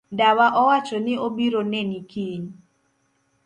Dawa owacho ni obiro neni kiny.